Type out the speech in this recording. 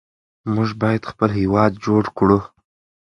موږ باید خپل هېواد جوړ کړو.